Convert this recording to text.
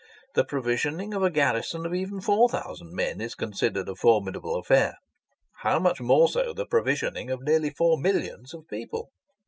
The provisioning of a garrison of even four thousand men is considered a formidable affair; how much more so the provisioning of nearly four millions of people!